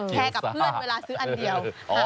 กับเพื่อนเวลาซื้ออันเดียว